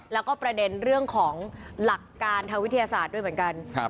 แล้วก็ประเด็นเรื่องของหลักการทางวิทยาศาสตร์ด้วยเหมือนกัน